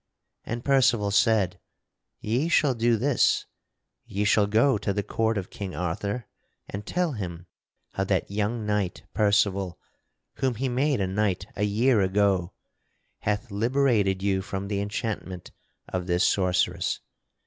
And Percival said: "Ye shall do this: ye shall go to the court of King Arthur and tell him how that young knight, Percival, whom he made a knight a year ago, hath liberated you from the enchantment of this sorceress.